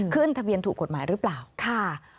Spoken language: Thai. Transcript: ขึ้นทะเบียนถูกกฎหมายหรือเปล่าค่ะ